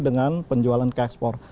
dengan penjualan ke ekspor